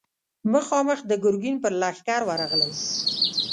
مخامخ د ګرګين پر لښکر ورغلل.